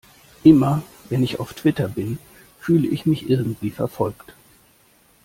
Immer, wenn ich auf Twitter bin, fühle ich mich irgendwie verfolgt.